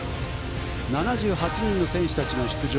７８人の選手たちが出場。